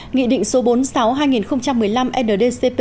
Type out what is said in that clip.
nghị định số bốn mươi sáu hai nghìn một mươi năm ndcp